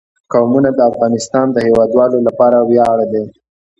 قومونه د افغانستان د هیوادوالو لپاره ویاړ دی.